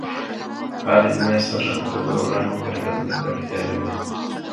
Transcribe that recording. هر علمي اثر له خپریدو وړاندې کره کتنې ته اړتیا لري.